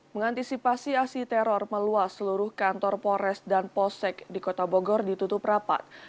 mengantisipasi aksi teror meluas seluruh kantor pores dan posek di kota bogor ditutup rapat